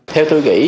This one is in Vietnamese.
theo tôi nghĩ